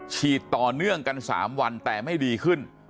ฉีดต่อเนื่องกัน๓วันแต่ไม่ดีขึ้น